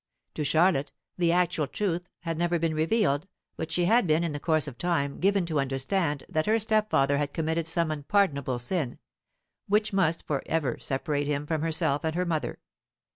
To Charlotte the actual truth had never been revealed; but she had been, in the course of time, given to understand that her stepfather had committed some unpardonable sin, which must for ever separate him from herself and her mother.